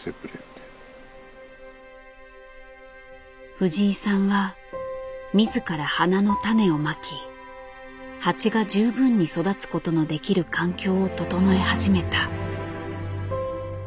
藤井さんは自ら花の種をまき蜂が十分に育つことのできる環境を整え始めた。